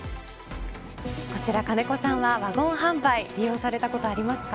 こちら、金子さんはワゴン販売利用されたことありますか。